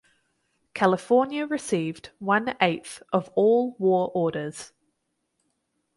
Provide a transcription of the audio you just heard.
California received one eighth of all war orders.